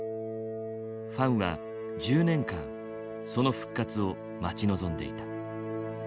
ファンは１０年間その復活を待ち望んでいた。